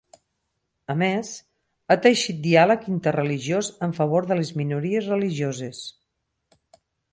A més, ha teixit diàleg interreligiós en favor de les minories religioses.